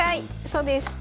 そうです！